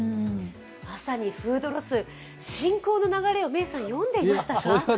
まさにフードロス進行の流れを、メイさん読んでいましたか？